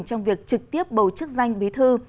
trong việc trực tiếp bầu chức danh bí thư